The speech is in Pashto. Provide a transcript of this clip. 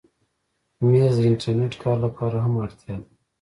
مېز د انټرنېټ کار لپاره هم اړتیا ده.